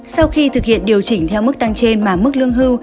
sau khi thực hiện điều chỉnh theo mức tăng trên mà mức lương hưu